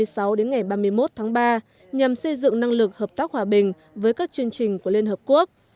bộ quốc phòng sẽ tổ chức chuyến thăm từ ngày hai mươi sáu đến ngày ba mươi một tháng ba nhằm xây dựng năng lực hợp tác hòa bình với các chương trình của liên hợp quốc